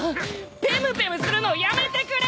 ペムペムするのやめてくれ！